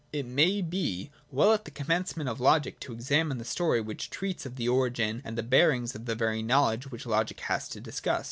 It may be well at the commencement of logic to examine the story which treats of the origin and the bearings of the very knowledge which logic has to discuss.